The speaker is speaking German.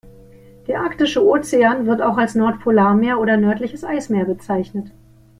Der Arktische Ozean, wird auch als Nordpolarmeer oder nördliches Eismeer bezeichnet.